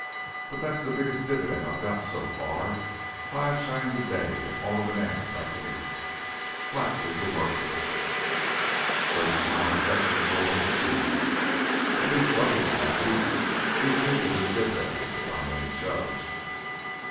But that's the biggest dividend I've got, so far five shines a day an' all the bananas I can eat. 'Flat' is the word." Gray smiled affectionately at the speaker. "At least Buddy is happy. He's reaping his dividends, if I'm any judge."